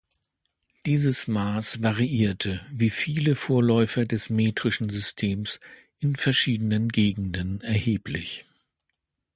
Dieses Maß variierte, wie viele Vorläufer des metrischen Systems, in verschiedenen Gegenden erheblich.